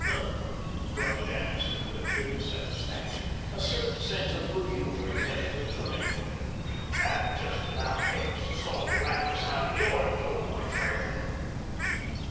"Huh," grunted Annixter with grim satisfaction, a certain sense of good humour at length returning to him, "that just about takes the saleratus out of YOUR dough, my friend."